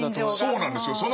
そうなんですよ。